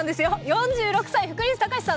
４６歳福西崇史さん。